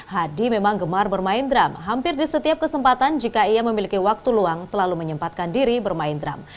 hadi memang gemar bermain drum hampir di setiap kesempatan jika ia memiliki waktu luang selalu menyempatkan diri bermain drum